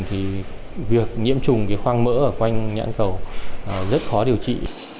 thì việc nhiễm trùng cái khoang mỡ ở quanh nhãn cầu rất khó điều trị